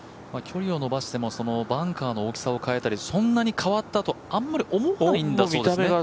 距離を延ばしてもバンカーの大きさを変えたりそんなに変わったと、あんまり思わないんだそうですね。